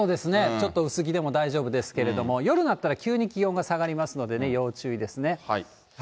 ちょっと薄着でも大丈夫ですけれども、夜になったら急に気温が下がりますので、要注意ですね。